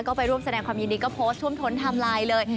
ก็ไปร่วมแสดงความยินดีก็โพสต์ท่วมท้นไทม์ไลน์เลย